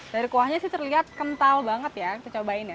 dari kuahnya sih terlihat kental banget ya kita cobain ya